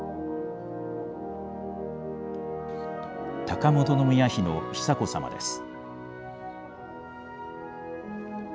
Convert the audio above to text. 高円宮妃の久子さまです。